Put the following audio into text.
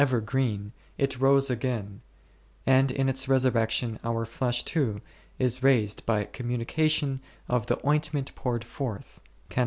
olg STtrgtmrg, an evergreen, it rose again ; and in its resurrection our flesh too is raised by communication of the oint ment poured forth* .